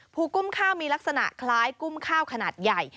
กุ้มข้าวมีลักษณะคล้ายกุ้มข้าวขนาดใหญ่